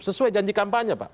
sesuai janji kampanye pak